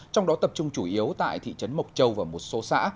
trong đó tập trung chủ yếu tại thị trấn mộc châu và một số xã